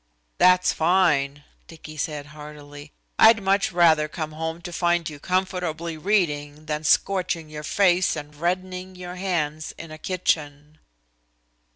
"That's fine," Dicky said heartily. "I'd much rather come home to find you comfortably reading than scorching your face and reddening your hands in a kitchen."